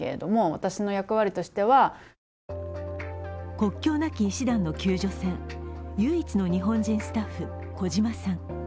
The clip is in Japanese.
国境なき医師団の救助船、唯一の日本人スタッフ・小島さん。